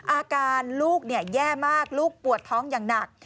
อาการลูกแย่มากลูกปวดท้องอย่างหนัก